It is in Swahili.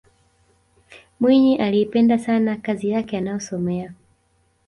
mwinyi aliipenda sana kazi yake anayosomea